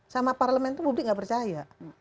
sama parlemen itu publik nggak percaya